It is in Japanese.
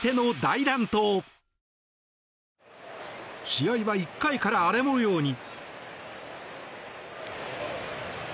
試合は１回から荒れ模様に。